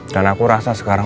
dan aku rasa sekarang